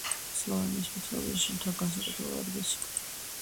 სლოვენიის მითოლოგიაში მთა განსაკუთრებულ ადგილს იკავებდა.